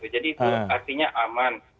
jadi itu artinya aman